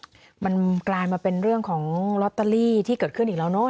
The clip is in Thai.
มันกลายมาเป็นเรื่องของลอตเตอรี่ที่เกิดขึ้นอีกแล้วเนอะ